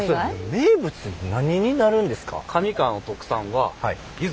名物って何になるんですか？